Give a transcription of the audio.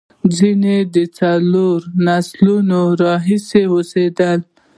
ځینې د څلورو نسلونو راهیسې اوسېدل.